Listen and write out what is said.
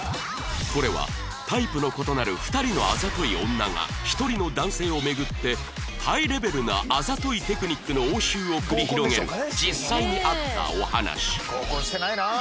これはタイプの異なる２人のあざとい女が１人の男性を巡ってハイレベルなあざといテクニックの応酬を繰り広げる実際にあったお話